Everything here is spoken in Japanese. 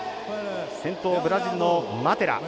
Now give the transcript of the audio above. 先頭、ブラジルのマテラ。